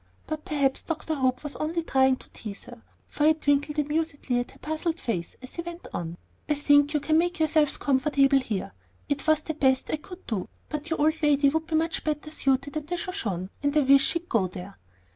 But perhaps Dr. Hope was only trying to tease her, for he twinkled amusedly at her puzzled face as he went on, "I think you can make yourselves comfortable here. It was the best I could do. But your old lady would be much better suited at the Shoshone, and I wish she'd go there."